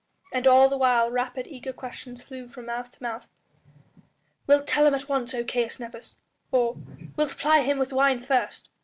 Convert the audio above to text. And all the while rapid, eager questions flew from mouth to mouth. "Wilt tell him at once, O Caius Nepos?" "Or wilt ply him with wine first?"